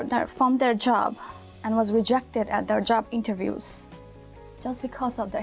muslim dan tidak muslim untuk berjalan di kaki saya